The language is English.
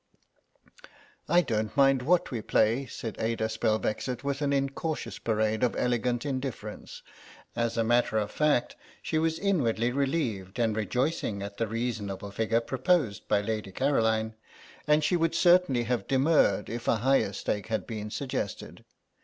"I don't mind what we play," said Ada Spelvexit, with an incautious parade of elegant indifference; as a matter of fact she was inwardly relieved and rejoicing at the reasonable figure proposed by Lady Caroline, and she would certainly have demurred if a higher stake had been suggested.